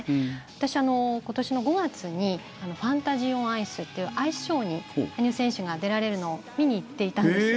私、今年の５月にファンタジー・オン・アイスというアイスショーに羽生選手が出られるのを見に行っていたんです。